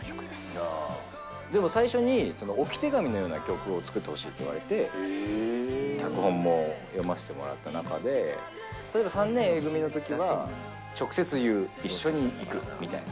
いやぁ、でも最初に、置き手紙のような曲を作ってほしいって言われて、脚本も読ませてもらった中で、例えば３年Ａ組のときは直接言う、一緒に行くみたいな。